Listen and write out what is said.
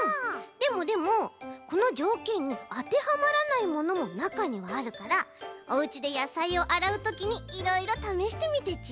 でもでもこのじょうけんにあてはまらないものもなかにはあるからおうちでやさいをあらうときにいろいろためしてみてち。